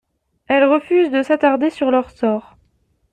Elle refuse de s’attarder sur leur sort.